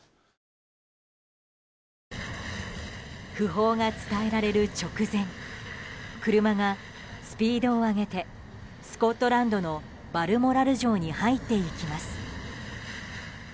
訃報が伝えられる直前車がスピードを上げてスコットランドのバルモラル城に入っていきます。